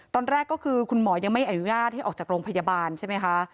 ตอนแรกก็คือคุณหมอยังไม่อนุญาตให้ออกจากโรงพยาบาลใช่ไหมคะ